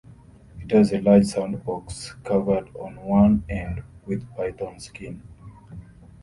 It has a large soundbox covered on one end with python skin.